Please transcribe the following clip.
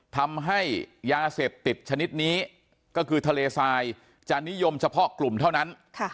ทำให้ยาเสพติดชนิดนี้ก็คือทะเลทรายจะนิยมเฉพาะกลุ่มเท่านั้น